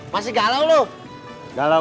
masih galau lu